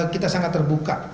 kita sangat terbuka